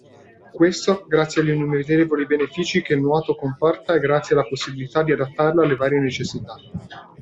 Questo grazie agli innumerevoli benefici che il nuoto comporta e grazie alla possibilità di adattarlo alle varie necessità.